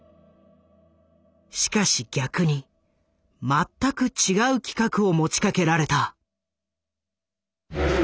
しかし逆に全く違う企画を持ちかけられた。